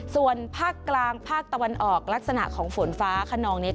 ส่วนภาคกลางภาคตะวันออกลักษณะของฝนฟ้าขนองนี้